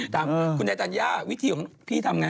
คุณแดนตัญญาวิธีของพี่ทำไง